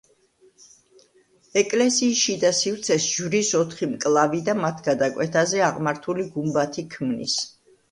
ეკლესიის შიდა სივრცეს ჯვრის ოთხი მკლავი და მათ გადაკვეთაზე აღმართული გუმბათი ქმნის.